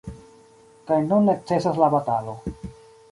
Kaj nun necesas la batalo.